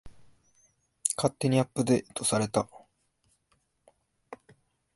勝手にアップデートされた